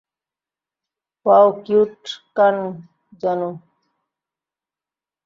Wow, cute কান, জানু।